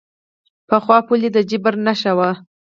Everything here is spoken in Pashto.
پخوا پولې د جبر نښه وې.